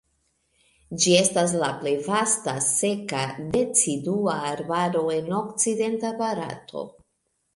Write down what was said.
Ĝi estas la plej vasta seka decidua arbaro en okcidenta Barato.